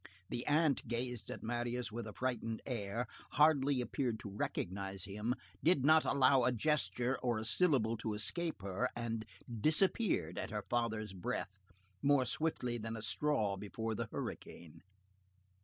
The aunt gazed at Marius with a frightened air, hardly appeared to recognize him, did not allow a gesture or a syllable to escape her, and disappeared at her father's breath more swiftly than a straw before the hurricane.